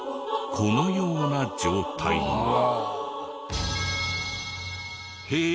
このような状態に。